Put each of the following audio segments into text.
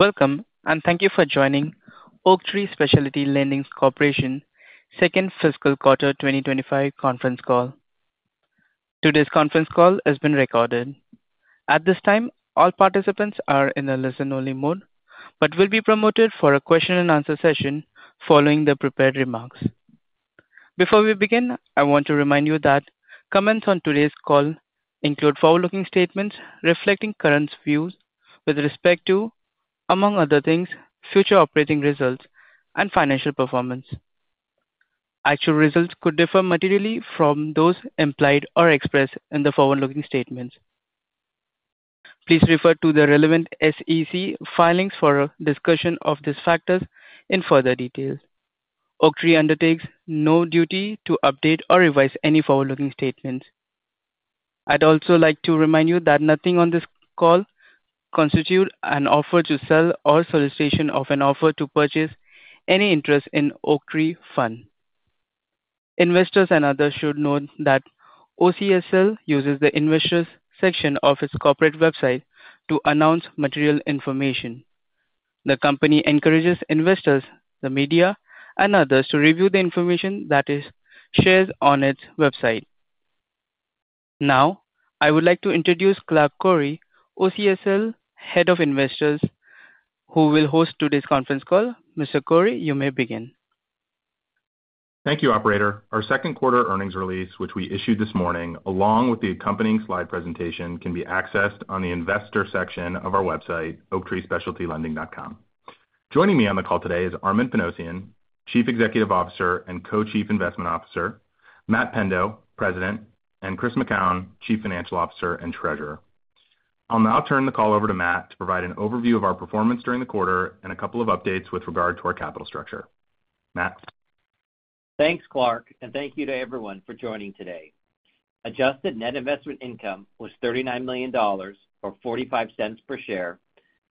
Welcome, and thank you for joining Oaktree Specialty Lending Corporation's second fiscal quarter 2025 conference call. Today's conference call has been recorded. At this time, all participants are in a listen-only mode but will be promoted for a question-and-answer session following the prepared remarks. Before we begin, I want to remind you that comments on today's call include forward-looking statements reflecting current views with respect to, among other things, future operating results and financial performance. Actual results could differ materially from those implied or expressed in the forward-looking statements. Please refer to the relevant SEC filings for discussion of these factors in further detail. Oaktree undertakes no duty to update or revise any forward-looking statements. I'd also like to remind you that nothing on this call constitutes an offer to sell or solicitation of an offer to purchase any interest in Oaktree Fund. Investors and others should note that Oaktree Specialty Lending Corporation uses the Investors section of its corporate website to announce material information. The company encourages investors, the media, and others to review the information that it shares on its website. Now, I would like to introduce Clark Koury, Oaktree Specialty Lending Corporation Head of Investor Relations, who will host today's conference call. Mr. Koury, you may begin. Thank you, Operator. Our second quarter earnings release, which we issued this morning along with the accompanying slide presentation, can be accessed on the Investor section of our website, oaktreespecialtylending.com. Joining me on the call today is Armen Panossian, Chief Executive Officer and Co-Chief Investment Officer; Matt Pendo, President; and Chris McKown, Chief Financial Officer and Treasurer. I'll now turn the call over to Matt to provide an overview of our performance during the quarter and a couple of updates with regard to our capital structure. Matt. Thanks, Clark, and thank you to everyone for joining today. Adjusted net investment income was $39 million or $0.45 per share,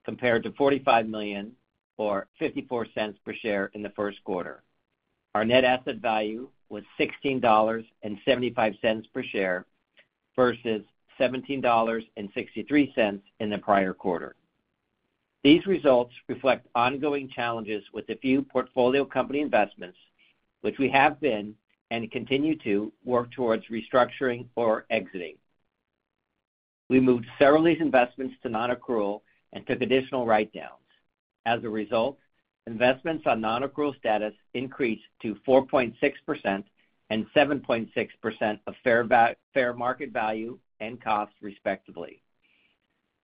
compared to $45 million or $0.54 per share in the first quarter. Our net asset value was $16.75 per share versus $17.63 in the prior quarter. These results reflect ongoing challenges with a few portfolio company investments, which we have been and continue to work towards restructuring or exiting. We moved several of these investments to non-accrual and took additional write-downs. As a result, investments on non-accrual status increased to 4.6% and 7.6% of fair market value and cost, respectively.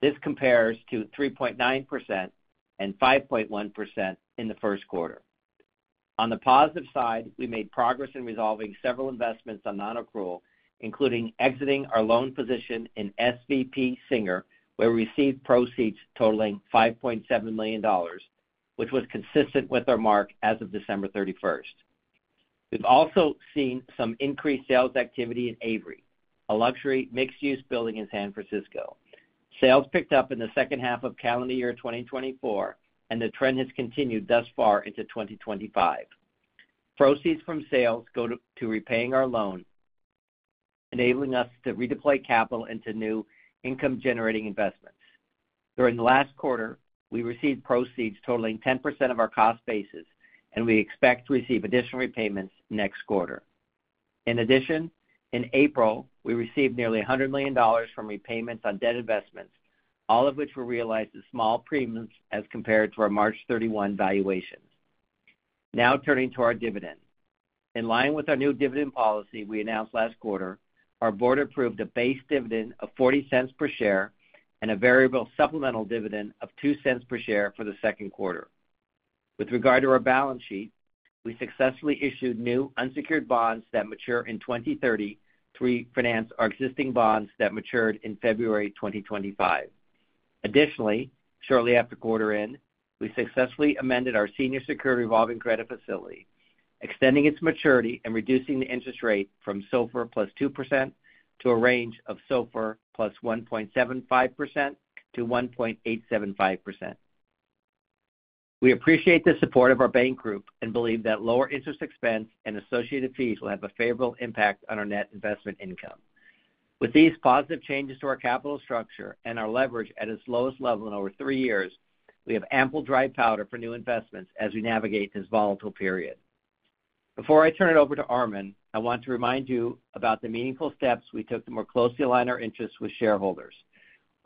This compares to 3.9% and 5.1% in the first quarter. On the positive side, we made progress in resolving several investments on non-accrual, including exiting our loan position in SVP Singer, where we received proceeds totaling $5.7 million, which was consistent with our mark as of December 31st. We've also seen some increased sales activity in Avery, a luxury mixed-use building in San Francisco. Sales picked up in the second half of calendar year 2024, and the trend has continued thus far into 2025. Proceeds from sales go to repaying our loan, enabling us to redeploy capital into new income-generating investments. During the last quarter, we received proceeds totaling 10% of our cost basis, and we expect to receive additional repayments next quarter. In addition, in April, we received nearly $100 million from repayments on debt investments, all of which were realized as small premiums as compared to our March 31 valuations. Now turning to our dividend. In line with our new dividend policy we announced last quarter, our board approved a base dividend of $0.40 per share and a variable supplemental dividend of $0.02 per share for the second quarter. With regard to our balance sheet, we successfully issued new unsecured bonds that mature in 2030 to refinance our existing bonds that matured in February 2025. Additionally, shortly after quarter end, we successfully amended our senior secured revolving credit facility, extending its maturity and reducing the interest rate from SOFR +2% to a range of SOFR +1.75%-1.875%. We appreciate the support of our bank group and believe that lower interest expense and associated fees will have a favorable impact on our net investment income. With these positive changes to our capital structure and our leverage at its lowest level in over three years, we have ample dry powder for new investments as we navigate this volatile period. Before I turn it over to Armen, I want to remind you about the meaningful steps we took to more closely align our interests with shareholders.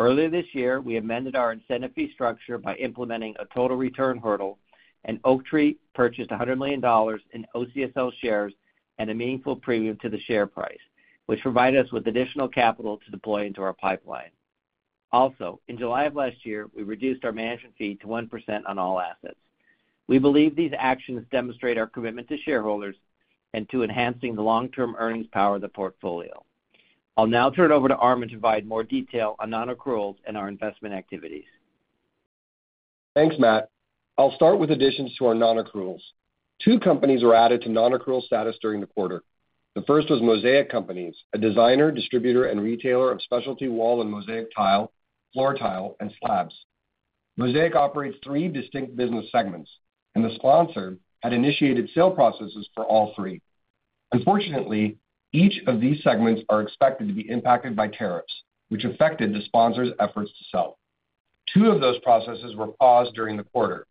Earlier this year, we amended our incentive fee structure by implementing a total return hurdle, and Oaktree purchased $100 million in OCSL shares at a meaningful premium to the share price, which provided us with additional capital to deploy into our pipeline. Also, in July of last year, we reduced our management fee to 1% on all assets. We believe these actions demonstrate our commitment to shareholders and to enhancing the long-term earnings power of the portfolio. I'll now turn it over to Armen to provide more detail on non-accruals and our investment activities. Thanks, Matt. I'll start with additions to our non-accruals. Two companies were added to non-accrual status during the quarter. The first was Mosaic Companies, a designer, distributor, and retailer of specialty wall and mosaic tile, floor tile, and slabs. Mosaic operates three distinct business segments, and the sponsor had initiated sale processes for all three. Unfortunately, each of these segments are expected to be impacted by tariffs, which affected the sponsor's efforts to sell. Two of those processes were paused during the quarter.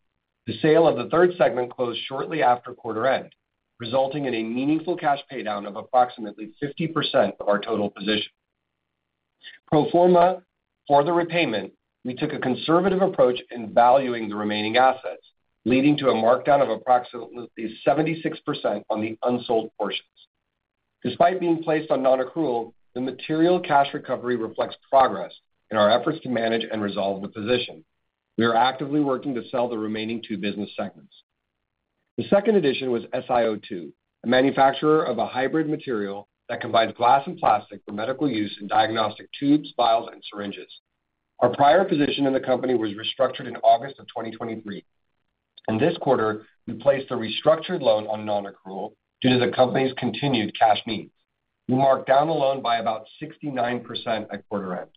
The sale of the third segment closed shortly after quarter end, resulting in a meaningful cash paydown of approximately 50% of our total position. Pro forma for the repayment, we took a conservative approach in valuing the remaining assets, leading to a markdown of approximately 76% on the unsold portions. Despite being placed on non-accrual, the material cash recovery reflects progress in our efforts to manage and resolve the position. We are actively working to sell the remaining two business segments. The second addition was SIO2, a manufacturer of a hybrid material that combines glass and plastic for medical use in diagnostic tubes, vials, and syringes. Our prior position in the company was restructured in August of 2023. In this quarter, we placed a restructured loan on non-accrual due to the company's continued cash needs. We marked down the loan by about 69% at quarter end.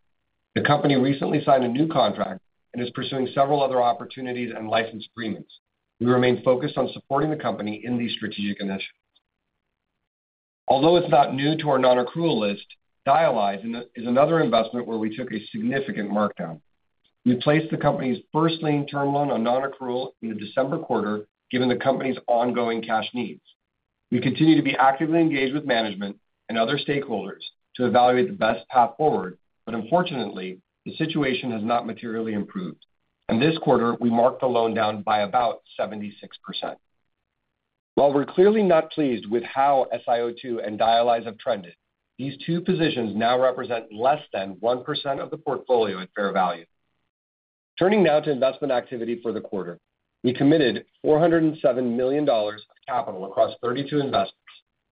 The company recently signed a new contract and is pursuing several other opportunities and license agreements. We remain focused on supporting the company in these strategic initiatives. Although it's not new to our non-accrual list, Dialyze is another investment where we took a significant markdown. We placed the company's first lien term loan on non-accrual in the December quarter, given the company's ongoing cash needs. We continue to be actively engaged with management and other stakeholders to evaluate the best path forward, but unfortunately, the situation has not materially improved. In this quarter, we marked the loan down by about 76%. While we're clearly not pleased with how SIO2 and Dialyze have trended, these two positions now represent less than 1% of the portfolio at fair value. Turning now to investment activity for the quarter, we committed $407 million of capital across 32 investments,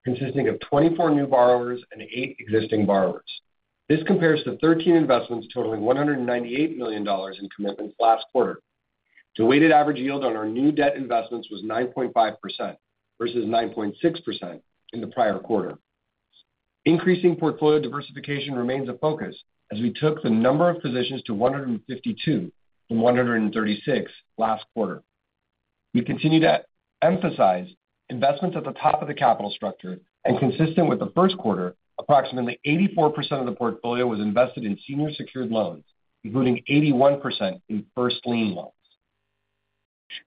consisting of 24 new borrowers and 8 existing borrowers. This compares to 13 investments totaling $198 million in commitments last quarter. The weighted average yield on our new debt investments was 9.5% versus 9.6% in the prior quarter. Increasing portfolio diversification remains a focus as we took the number of positions to 152 from 136 last quarter. We continue to emphasize investments at the top of the capital structure, and consistent with the first quarter, approximately 84% of the portfolio was invested in senior secured loans, including 81% in first-lien loans.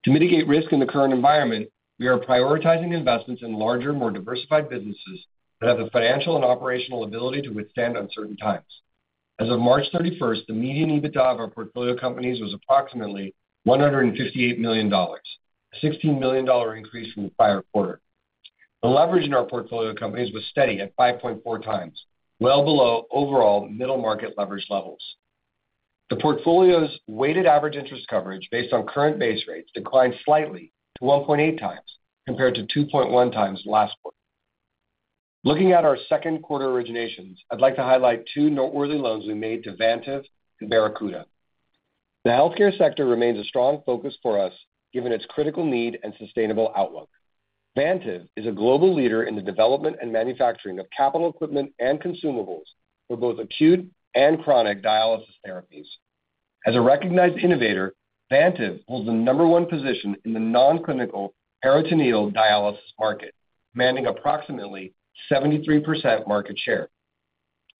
To mitigate risk in the current environment, we are prioritizing investments in larger, more diversified businesses that have the financial and operational ability to withstand uncertain times. As of March 31, the median EBITDA of our portfolio companies was approximately $158 million, a $16 million increase from the prior quarter. The leverage in our portfolio companies was steady at 5.4 times, well below overall middle market leverage levels. The portfolio's weighted average interest coverage, based on current base rates, declined slightly to 1.8 times, compared to 2.1 times last quarter. Looking at our second quarter originations, I'd like to highlight two noteworthy loans we made to Vantive and Barracuda. The healthcare sector remains a strong focus for us, given its critical need and sustainable outlook. Vantive is a global leader in the development and manufacturing of capital equipment and consumables for both acute and chronic dialysis therapies. As a recognized innovator, Vantive holds the number one position in the non-clinical peritoneal dialysis market, commanding approximately 73% market share.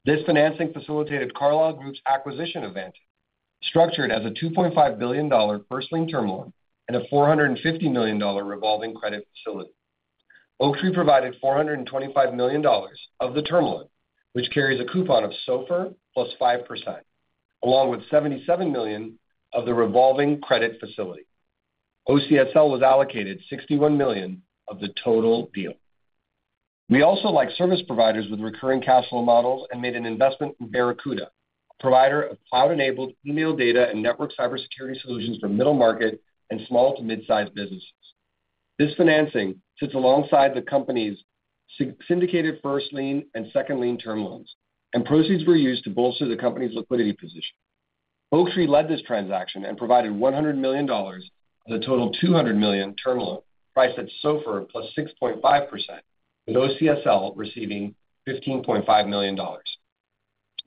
This financing facilitated Carlyle Group's acquisition of Vantive, structured as a $2.5 billion first lien term loan and a $450 million revolving credit facility. Oaktree provided $425 million of the term loan, which carries a coupon of SOFR plus 5%, along with $77 million of the revolving credit facility. OCSL was allocated $61 million of the total deal. We also like service providers with recurring cash flow models and made an investment in Barracuda, a provider of cloud-enabled email data and network cybersecurity solutions for middle market and small to mid-sized businesses. This financing sits alongside the company's syndicated first-lien and second-lien term loans, and proceeds were used to bolster the company's liquidity position. Oaktree led this transaction and provided $100 million of the total $200 million term loan, priced at SOFR +6.5%, with OCSL receiving $15.5 million.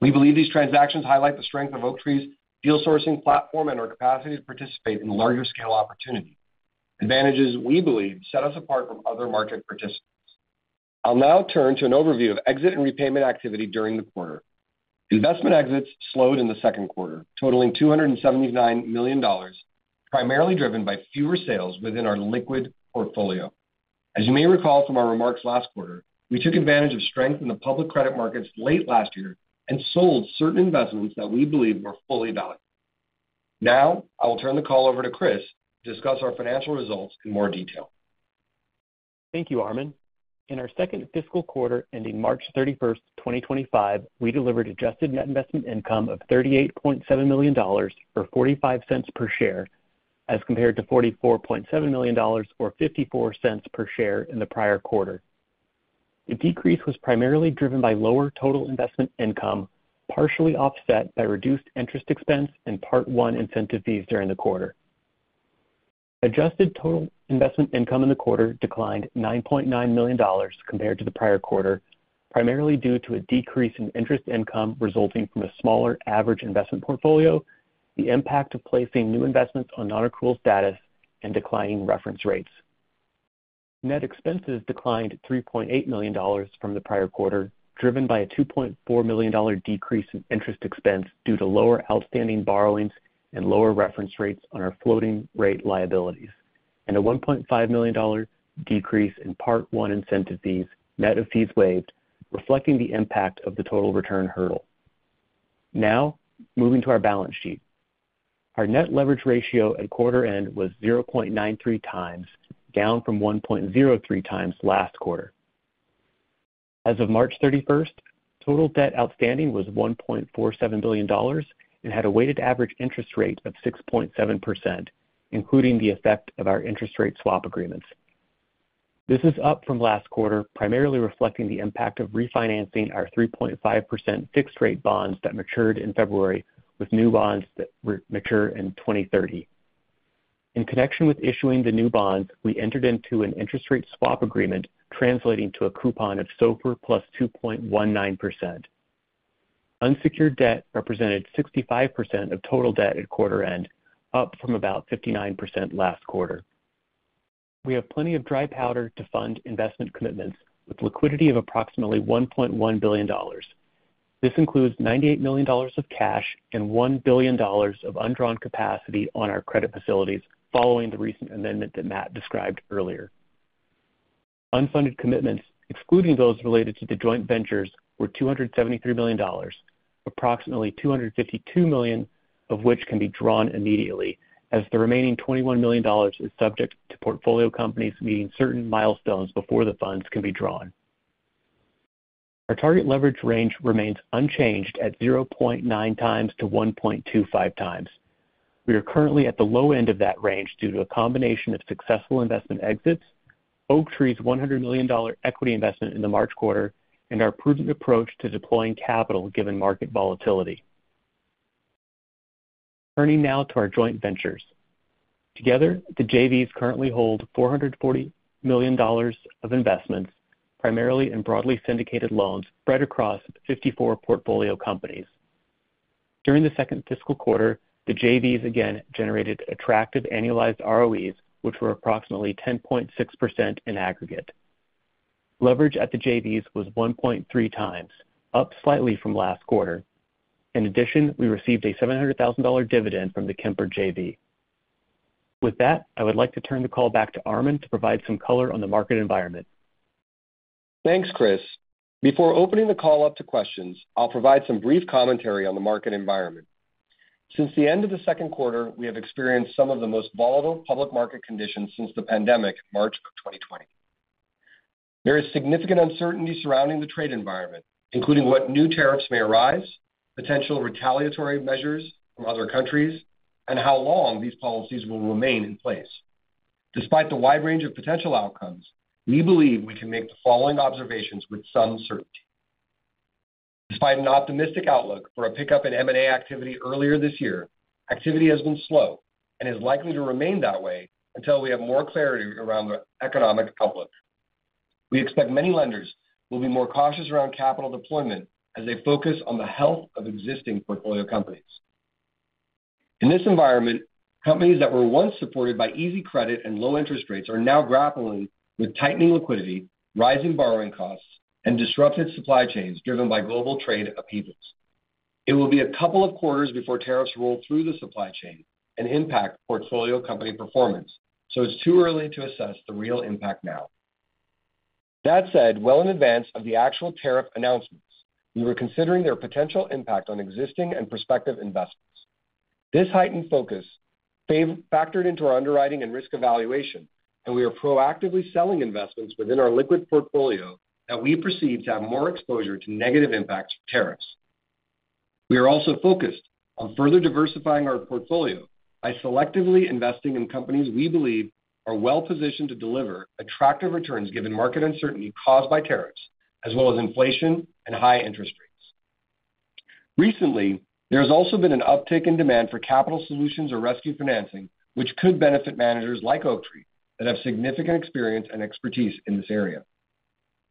We believe these transactions highlight the strength of Oaktree's deal-sourcing platform and our capacity to participate in larger-scale opportunities, advantages we believe set us apart from other market participants. I'll now turn to an overview of exit and repayment activity during the quarter. Investment exits slowed in the second quarter, totaling $279 million, primarily driven by fewer sales within our liquid portfolio. As you may recall from our remarks last quarter, we took advantage of strength in the public credit markets late last year and sold certain investments that we believe were fully valued. Now, I will turn the call over to Chris to discuss our financial results in more detail. Thank you, Armen. In our second fiscal quarter ending March 31, 2025, we delivered adjusted net investment income of $38.7 million or $0.45 per share, as compared to $44.7 million or $0.54 per share in the prior quarter. The decrease was primarily driven by lower total investment income, partially offset by reduced interest expense and Part I incentive fees during the quarter. Adjusted total investment income in the quarter declined $9.9 million compared to the prior quarter, primarily due to a decrease in interest income resulting from a smaller average investment portfolio, the impact of placing new investments on non-accrual status, and declining reference rates. Net expenses declined $3.8 million from the prior quarter, driven by a $2.4 million decrease in interest expense due to lower outstanding borrowings and lower reference rates on our floating rate liabilities, and a $1.5 million decrease in Part I incentive fees. Net of fees waived, reflecting the impact of the total return hurdle. Now, moving to our balance sheet. Our net leverage ratio at quarter end was 0.93 times, down from 1.03 times last quarter. As of March 31, total debt outstanding was $1.47 billion and had a weighted average interest rate of 6.7%, including the effect of our interest rate swap agreements. This is up from last quarter, primarily reflecting the impact of refinancing our 3.5% fixed-rate bonds that matured in February, with new bonds that mature in 2030. In connection with issuing the new bonds, we entered into an interest rate swap agreement, translating to a coupon of SOFR +2.19%. Unsecured debt represented 65% of total debt at quarter end, up from about 59% last quarter. We have plenty of dry powder to fund investment commitments, with liquidity of approximately $1.1 billion. This includes $98 million of cash and $1 billion of undrawn capacity on our credit facilities, following the recent amendment that Matt described earlier. Unfunded commitments, excluding those related to the joint ventures, were $273 million, approximately $252 million of which can be drawn immediately, as the remaining $21 million is subject to portfolio companies meeting certain milestones before the funds can be drawn. Our target leverage range remains unchanged at 0.9-1.25 times. We are currently at the low end of that range due to a combination of successful investment exits, Oaktree's $100 million equity investment in the March quarter, and our prudent approach to deploying capital, given market volatility. Turning now to our joint ventures. Together, the JVs currently hold $440 million of investments, primarily in broadly syndicated loans spread across 54 portfolio companies. During the second fiscal quarter, the JVs again generated attractive annualized ROEs, which were approximately 10.6% in aggregate. Leverage at the JVs was 1.3 times, up slightly from last quarter. In addition, we received a $700,000 dividend from the Kemper JV. With that, I would like to turn the call back to Armen to provide some color on the market environment. Thanks, Chris. Before opening the call up to questions, I'll provide some brief commentary on the market environment. Since the end of the second quarter, we have experienced some of the most volatile public market conditions since the pandemic in March of 2020. There is significant uncertainty surrounding the trade environment, including what new tariffs may arise, potential retaliatory measures from other countries, and how long these policies will remain in place. Despite the wide range of potential outcomes, we believe we can make the following observations with some certainty. Despite an optimistic outlook for a pickup in M&A activity earlier this year, activity has been slow and is likely to remain that way until we have more clarity around the economic outlook. We expect many lenders will be more cautious around capital deployment as they focus on the health of existing portfolio companies. In this environment, companies that were once supported by easy credit and low interest rates are now grappling with tightening liquidity, rising borrowing costs, and disrupted supply chains driven by global trade upheavals. It will be a couple of quarters before tariffs roll through the supply chain and impact portfolio company performance, so it's too early to assess the real impact now. That said, well in advance of the actual tariff announcements, we were considering their potential impact on existing and prospective investments. This heightened focus factored into our underwriting and risk evaluation, and we are proactively selling investments within our liquid portfolio that we perceive to have more exposure to negative impacts of tariffs. We are also focused on further diversifying our portfolio by selectively investing in companies we believe are well-positioned to deliver attractive returns given market uncertainty caused by tariffs, as well as inflation and high interest rates. Recently, there has also been an uptick in demand for capital solutions or rescue financing, which could benefit managers like Oaktree that have significant experience and expertise in this area.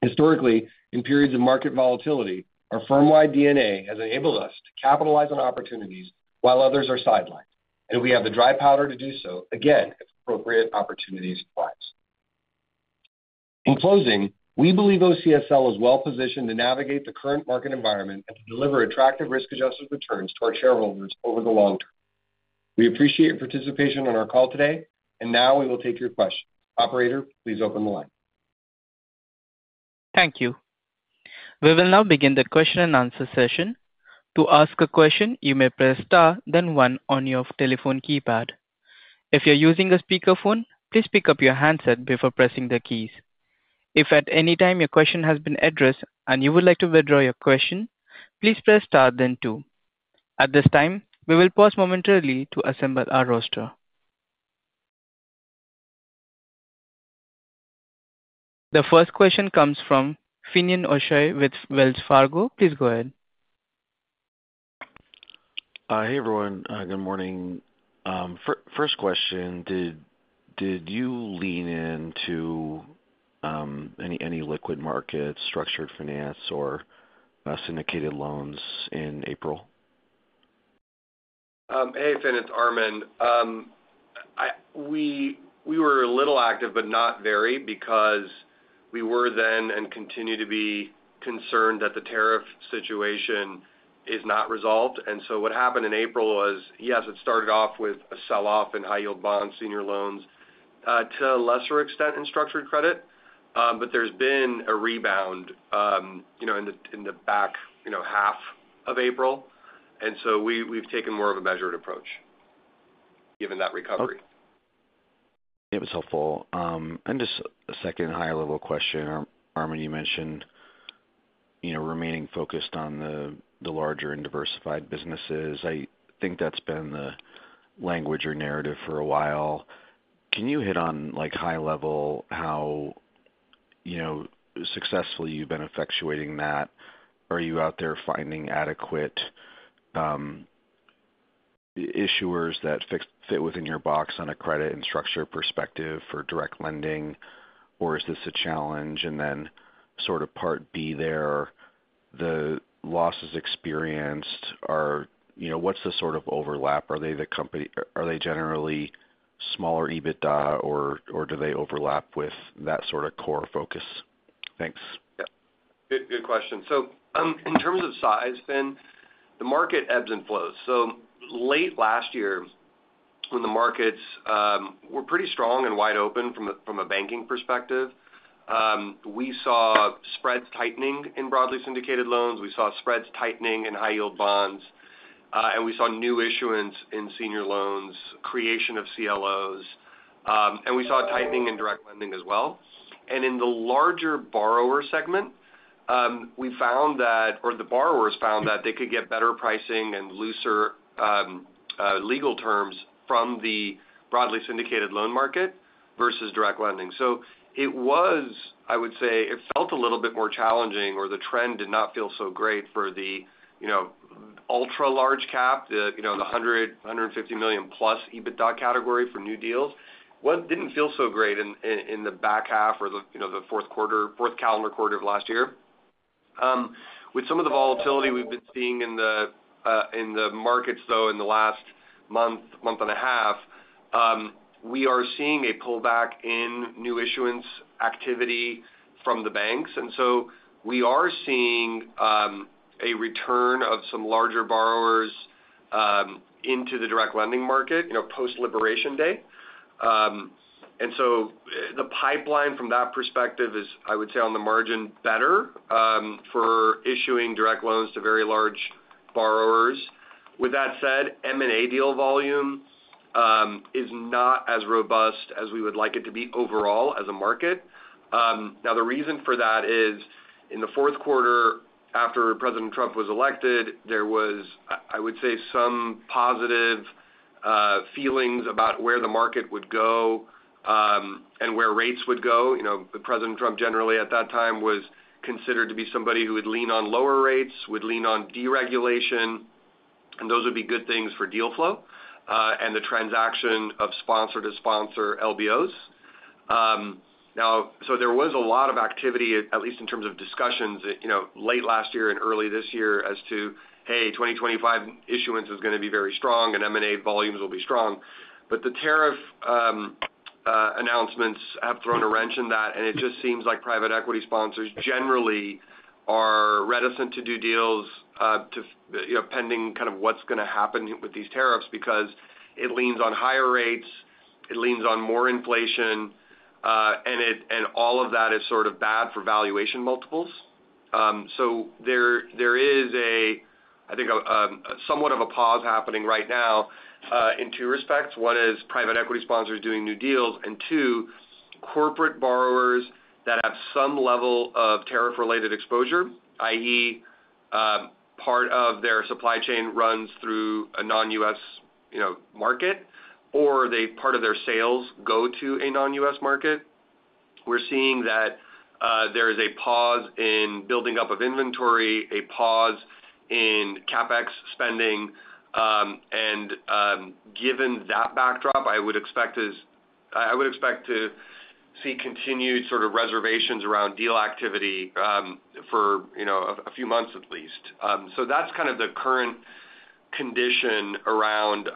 Historically, in periods of market volatility, our firm-wide DNA has enabled us to capitalize on opportunities while others are sidelined, and we have the dry powder to do so, again, if appropriate opportunities arise. In closing, we believe OCSL is well-positioned to navigate the current market environment and to deliver attractive risk-adjusted returns to our shareholders over the long term. We appreciate your participation on our call today, and now we will take your questions. Operator, please open the line. Thank you. We will now begin the question-and-answer session. To ask a question, you may press star then one on your telephone keypad. If you're using a speakerphone, please pick up your handset before pressing the keys. If at any time your question has been addressed and you would like to withdraw your question, please press Star then 2. At this time, we will pause momentarily to assemble our roster. The first question comes from Finian O'Shea with Wells Fargo. Please go ahead. Hey, everyone. Good morning. First question, did you lean into any liquid markets, structured finance, or syndicated loans in April? Hey, Finn. It's Armen. We were a little active, but not very, because we were then and continue to be concerned that the tariff situation is not resolved. What happened in April was, yes, it started off with a sell-off in high-yield bonds, senior loans, to a lesser extent in structured credit, but there has been a rebound in the back half of April. We have taken more of a measured approach given that recovery. That was helpful. Just a second higher-level question. Armen, you mentioned remaining focused on the larger and diversified businesses. I think that's been the language or narrative for a while. Can you hit on high-level how successfully you've been effectuating that? Are you out there finding adequate issuers that fit within your box on a credit and structure perspective for direct lending, or is this a challenge? Sort of part B there, the losses experienced, what's the sort of overlap? Are they generally smaller EBITDA, or do they overlap with that sort of core focus? Thanks. Yeah. Good question. In terms of size, Finn, the market ebbs and flows. Late last year, when the markets were pretty strong and wide open from a banking perspective, we saw spreads tightening in broadly syndicated loans. We saw spreads tightening in high-yield bonds, and we saw new issuance in senior loans, creation of CLOs, and we saw tightening in direct lending as well. In the larger borrower segment, we found that, or the borrowers found that they could get better pricing and looser legal terms from the broadly syndicated loan market versus direct lending. It was, I would say, it felt a little bit more challenging, or the trend did not feel so great for the ultra-large cap, the $100 million-$150 million-plus EBITDA category for new deals. It did not feel so great in the back half or the fourth calendar quarter of last year. With some of the volatility we've been seeing in the markets, though, in the last month, month and a half, we are seeing a pullback in new issuance activity from the banks. We are seeing a return of some larger borrowers into the direct lending market post-liberation day. The pipeline from that perspective is, I would say, on the margin better for issuing direct loans to very large borrowers. With that said, M&A deal volume is not as robust as we would like it to be overall as a market. The reason for that is, in the fourth quarter after President Trump was elected, there was, I would say, some positive feelings about where the market would go and where rates would go. President Trump, generally, at that time was considered to be somebody who would lean on lower rates, would lean on deregulation, and those would be good things for deal flow and the transaction of sponsor-to-sponsor LBOs. There was a lot of activity, at least in terms of discussions late last year and early this year, as to, "Hey, 2025 issuance is going to be very strong, and M&A volumes will be strong." The tariff announcements have thrown a wrench in that, and it just seems like private equity sponsors generally are reticent to do deals pending kind of what's going to happen with these tariffs because it leans on higher rates, it leans on more inflation, and all of that is sort of bad for valuation multiples. There is, I think, somewhat of a pause happening right now in two respects. One is private equity sponsors doing new deals, and two, corporate borrowers that have some level of tariff-related exposure, i.e., part of their supply chain runs through a non-U.S. market, or part of their sales go to a non-U.S. market. We're seeing that there is a pause in building up of inventory, a pause in CapEx spending, and given that backdrop, I would expect to see continued sort of reservations around deal activity for a few months at least. That's kind of the current condition around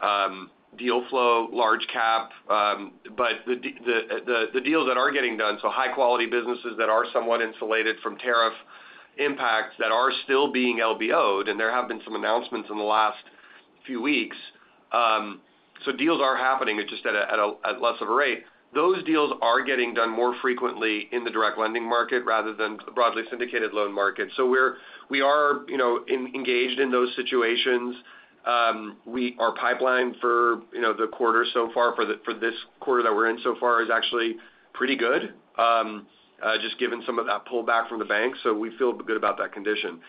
deal flow, large cap, but the deals that are getting done, so high-quality businesses that are somewhat insulated from tariff impacts that are still being LBOed, and there have been some announcements in the last few weeks. Deals are happening, it's just at less of a rate. Those deals are getting done more frequently in the direct lending market rather than the broadly syndicated loan market. We are engaged in those situations. Our pipeline for the quarter so far, for this quarter that we're in so far, is actually pretty good, just given some of that pullback from the banks. We feel good about that condition.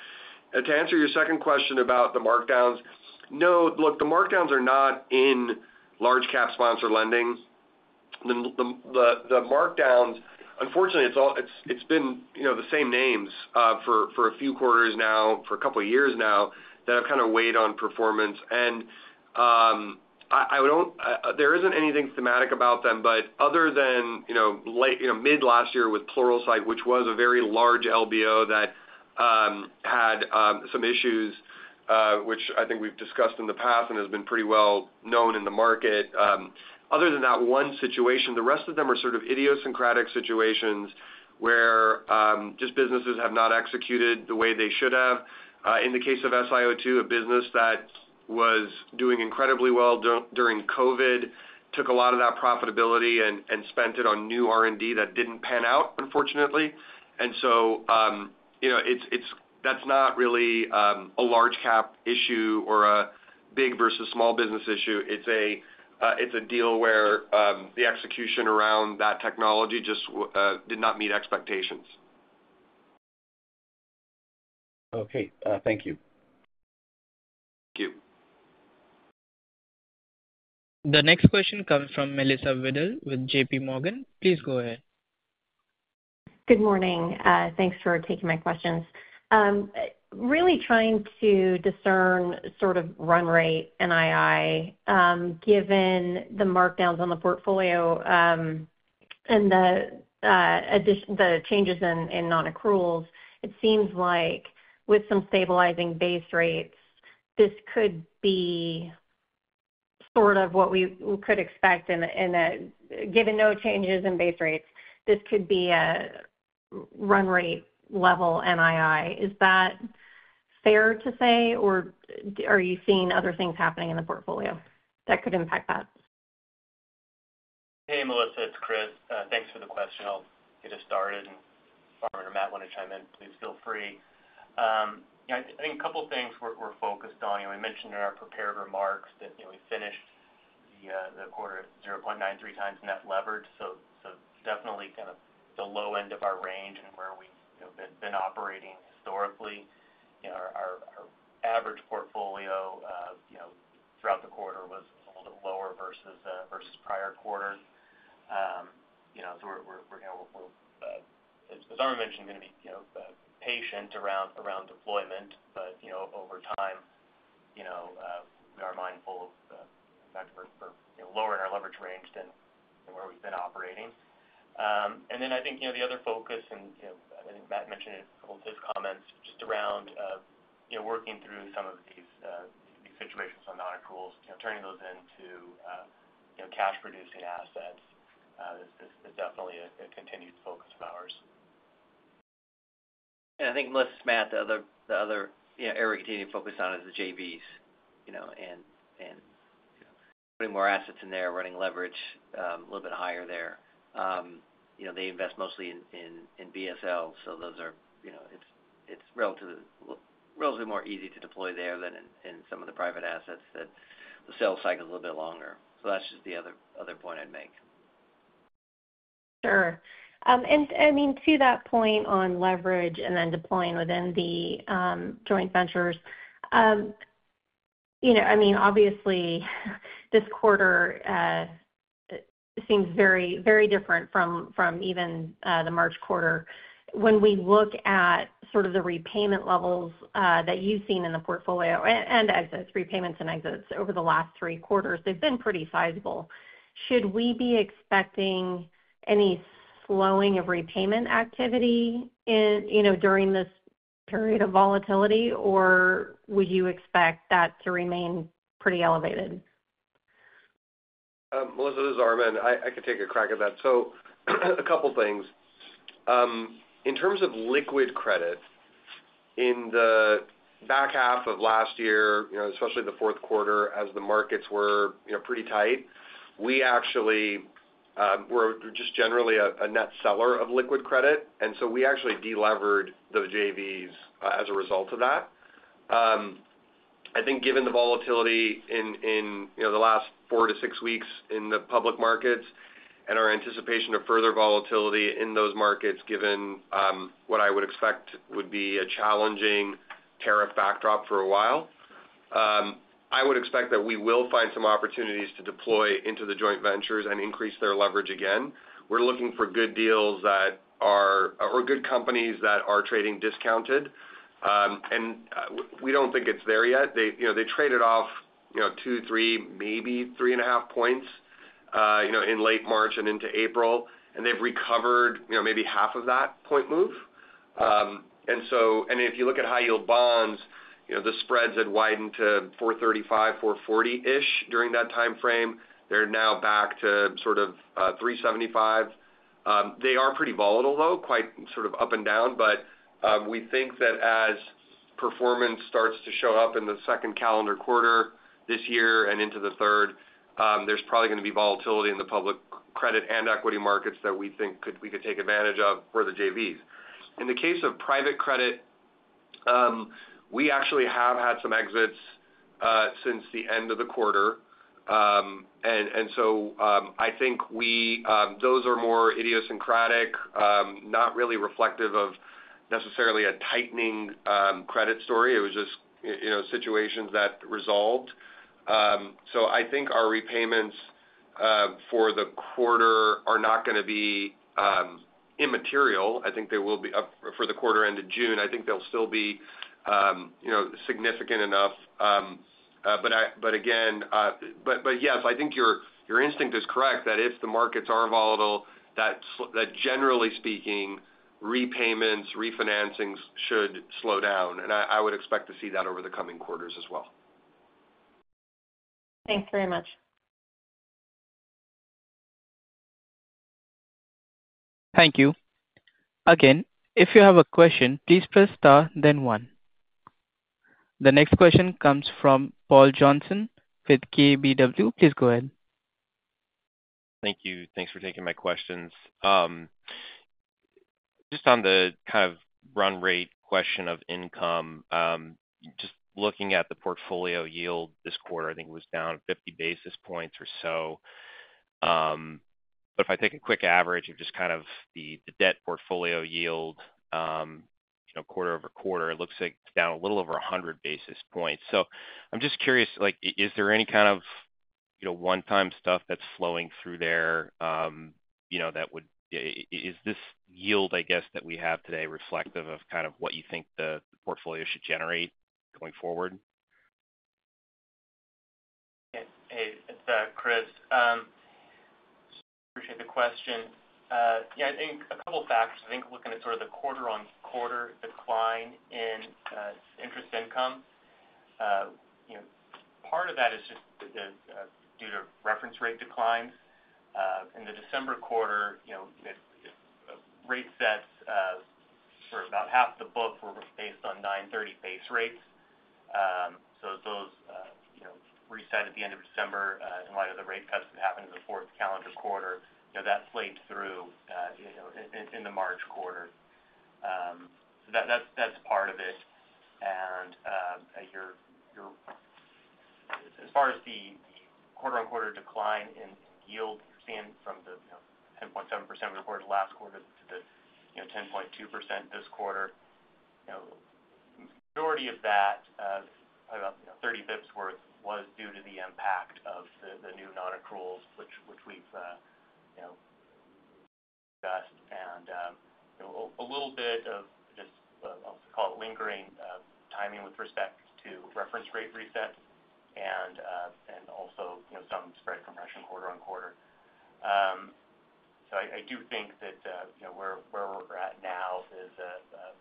To answer your second question about the markdowns, no, the markdowns are not in large cap sponsor lending. The markdowns, unfortunately, it's been the same names for a few quarters now, for a couple of years now, that have kind of weighed on performance. There isn't anything thematic about them, other than mid-last year with Pluralsight, which was a very large LBO that had some issues, which I think we've discussed in the past and has been pretty well known in the market. Other than that one situation, the rest of them are sort of idiosyncratic situations where just businesses have not executed the way they should have. In the case of SIO2, a business that was doing incredibly well during COVID, took a lot of that profitability and spent it on new R&D that did not pan out, unfortunately. That is not really a large cap issue or a big versus small business issue. It is a deal where the execution around that technology just did not meet expectations. Okay. Thank you. Thank you. The next question comes from Melissa Weddle with JPMorgan. Please go ahead. Good morning. Thanks for taking my questions. Really trying to discern sort of run rate NII, given the markdowns on the portfolio and the changes in non-accruals, it seems like with some stabilizing base rates, this could be sort of what we could expect. Given no changes in base rates, this could be a run rate level NII. Is that fair to say, or are you seeing other things happening in the portfolio that could impact that? Hey, Melissa. It's Chris. Thanks for the question. I'll get us started. If Armen or Matt want to chime in, please feel free. I think a couple of things we're focused on. We mentioned in our prepared remarks that we finished the quarter at 0.93 times net leverage. Definitely kind of the low end of our range and where we've been operating historically. Our average portfolio throughout the quarter was a little bit lower versus prior quarters. As Armen mentioned, we're going to be patient around deployment, but over time, we are mindful of the fact that we're lowering our leverage range than where we've been operating. I think the other focus, and I think Matt mentioned it in a couple of his comments, just around working through some of these situations on non-accruals, turning those into cash-producing assets is definitely a continued focus of ours. I think, Melissa, Matt, the other area we continue to focus on is the JVs and putting more assets in there, running leverage a little bit higher there. They invest mostly in BSL, so it is relatively more easy to deploy there than in some of the private assets that the sales cycle is a little bit longer. That is just the other point I would make. Sure. I mean, to that point on leverage and then deploying within the joint ventures, I mean, obviously, this quarter seems very different from even the March quarter. When we look at sort of the repayment levels that you've seen in the portfolio and exits, repayments and exits, over the last three quarters, they've been pretty sizable. Should we be expecting any slowing of repayment activity during this period of volatility, or would you expect that to remain pretty elevated? it's Armen. I could take a crack at that. A couple of things. In terms of liquid credit, in the back half of last year, especially the fourth quarter, as the markets were pretty tight, we actually were just generally a net seller of liquid credit. We actually delevered the JVs as a result of that. I think given the volatility in the last four to six weeks in the public markets and our anticipation of further volatility in those markets, given what I would expect would be a challenging tariff backdrop for a while, I would expect that we will find some opportunities to deploy into the joint ventures and increase their leverage again. We're looking for good deals that are or good companies that are trading discounted. We do not think it's there yet. They traded off two, three, maybe three and a half points in late March and into April, and they've recovered maybe half of that point move. If you look at high-yield bonds, the spreads had widened to 435, 440-ish during that timeframe. They're now back to sort of 375. They are pretty volatile, though, quite sort of up and down. We think that as performance starts to show up in the second calendar quarter this year and into the third, there's probably going to be volatility in the public credit and equity markets that we think we could take advantage of for the JVs. In the case of private credit, we actually have had some exits since the end of the quarter. I think those are more idiosyncratic, not really reflective of necessarily a tightening credit story. It was just situations that resolved. I think our repayments for the quarter are not going to be immaterial. I think they will be up for the quarter end of June. I think they'll still be significant enough. Yes, I think your instinct is correct that if the markets are volatile, that generally speaking, repayments, refinancings should slow down. I would expect to see that over the coming quarters as well. Thanks very much. Thank you. Again, if you have a question, please press star, then one. The next question comes from Paul Johnson with KBW. Please go ahead. Thank you. Thanks for taking my questions. Just on the kind of run rate question of income, just looking at the portfolio yield this quarter, I think it was down 50 basis points or so. But if I take a quick average of just kind of the debt portfolio yield quarter over quarter, it looks like it's down a little over 100 basis points. I am just curious, is there any kind of one-time stuff that's flowing through there that would—is this yield, I guess, that we have today reflective of kind of what you think the portfolio should generate going forward? Hey, it's Chris. Appreciate the question. Yeah, I think a couple of factors. I think looking at sort of the quarter-on-quarter decline in interest income, part of that is just due to reference rate declines. In the December quarter, rate sets for about half the book were based on 9/30 base rates. Those reset at the end of December in light of the rate cuts that happened in the fourth calendar quarter. That slaved through in the March quarter. That's part of it. As far as the quarter-on-quarter decline in yield, you're seeing from the 10.7% we recorded last quarter to the 10.2% this quarter. The majority of that, probably about 30 basis points worth, was due to the impact of the new non-accruals, which we've discussed. A little bit of just, I'll call it lingering timing with respect to reference rate resets and also some spread compression quarter-on-quarter. I do think that where we're at now is a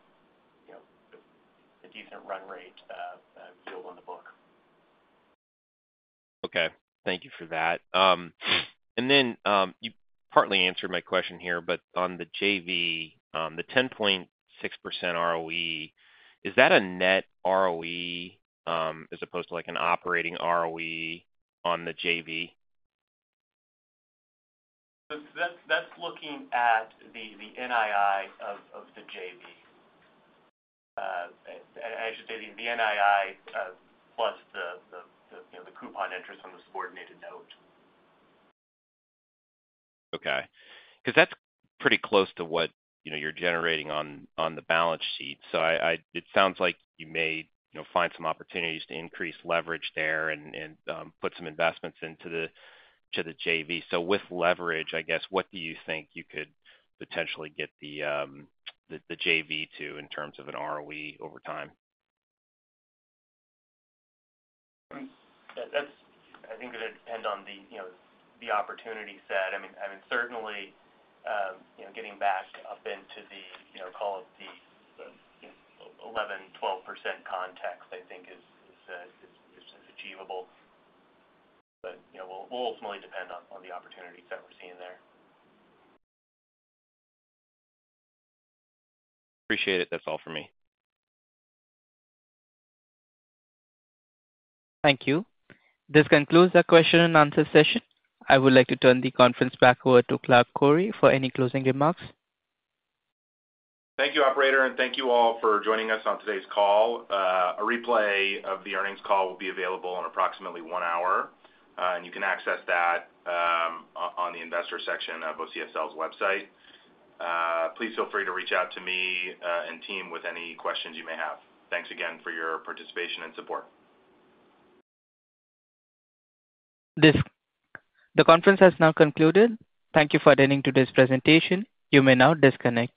decent run rate yield on the book. Okay. Thank you for that. You partly answered my question here, but on the JV, the 10.6% ROE, is that a net ROE as opposed to an operating ROE on the JV? That's looking at the NII of the JV. I should say the NII plus the coupon interest on the subordinated note. Okay. Because that's pretty close to what you're generating on the balance sheet. It sounds like you may find some opportunities to increase leverage there and put some investments into the JV. With leverage, I guess, what do you think you could potentially get the JV to in terms of an ROE over time? I think it would depend on the opportunity set. I mean, certainly, getting back up into the, call it the 11-12% context, I think is achievable. But we'll ultimately depend on the opportunities that we're seeing there. Appreciate it. That's all for me. Thank you. This concludes the question and answer session. I would like to turn the conference back over to Clark Koury for any closing remarks. Thank you, operator, and thank you all for joining us on today's call. A replay of the earnings call will be available in approximately one hour. You can access that on the investor section of OCSL's website. Please feel free to reach out to me and team with any questions you may have. Thanks again for your participation and support. The conference has now concluded. Thank you for attending today's presentation. You may now disconnect.